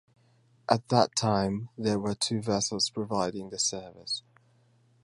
At that time, there were two vessels providing the service.